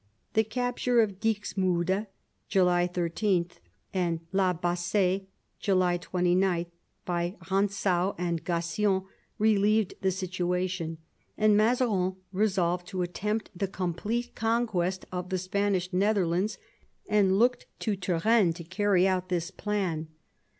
The capture of Dixmude (July 13) and La Bass6e (July 29) by Eantzau and Gassion relieved the situation, and Mazarin resolved to attempt the complete conquest of the Spanish Netherlands, and looked to Turenne to carry out this plan.